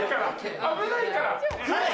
危ないから！